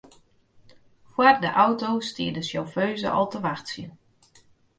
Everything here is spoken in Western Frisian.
Foar de auto stie de sjauffeuze al te wachtsjen.